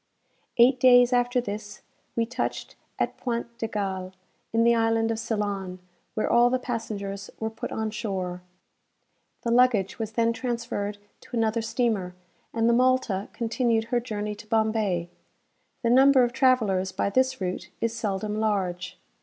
Eight days after this, we touched at Point de Galle, in the island of Ceylon, where all the passengers were put on shore. The luggage was then transferred to another steamer, and the "Malta" continued her journey to Bombay. The number of travellers by this route is seldom large.